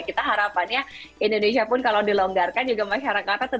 kita harapannya indonesia pun kalau dilonggarkan juga masyarakatnya tetap